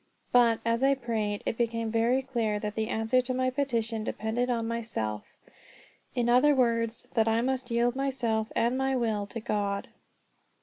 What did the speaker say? But, as I prayed, it became very clear that the answer to my petition depended on myself; in other words, that I must yield myself and my will to God.